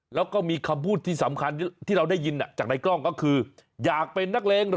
แล้วก็มีคำพูดที่สำคัญที่เราได้ยินจากในกล้องก็คืออยากเป็นนักเลงเหรอ